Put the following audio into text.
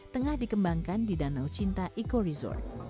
tengah dikembangkan di danau cinta eco resort